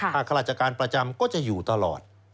ถ้าข้าราชการประจำก็จะอยู่ตลอด